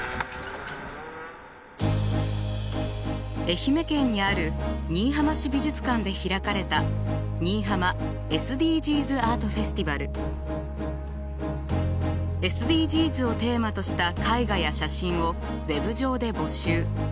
愛媛県にある新居浜市美術館で開かれたＳＤＧｓをテーマとした絵画や写真をウェブ上で募集。